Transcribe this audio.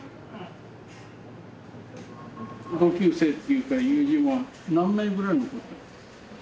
同級生というか友人は何名ぐらい残って。